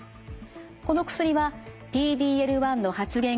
この薬はＰＤ−Ｌ１の発現が高い